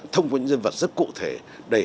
thông qua những nhân vật rất cụ thể đầy